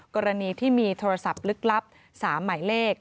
กรณีที่มีโทรศัพท์ลึกลับ๓หมายเลข